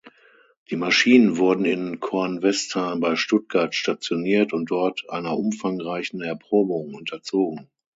Die Maschinen wurden in Kornwestheim bei Stuttgart stationiert und dort einer umfangreichen Erprobung unterzogen.